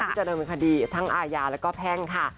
ที่จะโดนเป็นคดีทั้งอาญาและแพ่งค่ะ